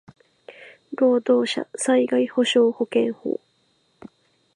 労働者災害補償保険法